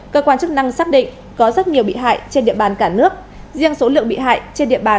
cơ quan chức năng xác định có rất nhiều bị hại trên địa bàn cả nước riêng số lượng bị hại trên địa bàn